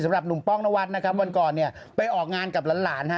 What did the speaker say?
สำหรับหนุ่มป้องนวัดนะครับวันก่อนเนี่ยไปออกงานกับหลานฮะ